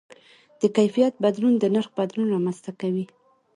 د کیفیت بدلون د نرخ بدلون رامنځته کوي.